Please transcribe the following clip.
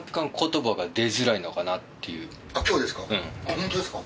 ホントですか？